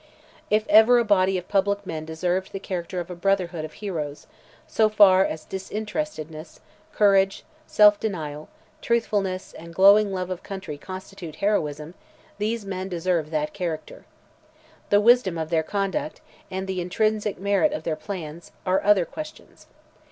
If ever a body of public men deserved the character of a brotherhood of heroes, so far as disinterestedness, courage, self denial, truthfulness and glowing love of country constitute heroism, these men deserved that character. The wisdom of their conduct, and the intrinsic merit of their plans, are other questions.